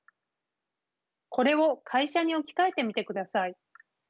これを会社に置き換えてみてください。